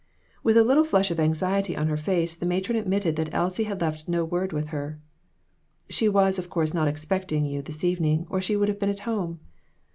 With a little flush of anxiety on her face, the matron admitted that Elsie had left no word with her. " She was, of course, not expecting you this evening, or she would have been at home."